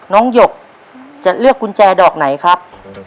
หยกจะเลือกกุญแจดอกไหนครับ